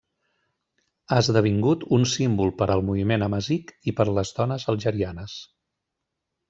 Ha esdevingut un símbol per al moviment amazic i per a les dones algerianes.